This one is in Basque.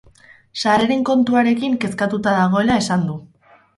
Sarreren kontuarekin kezkatuta dagoela esan du.